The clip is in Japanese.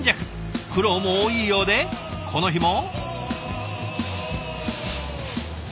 苦労も多いようでこの日も。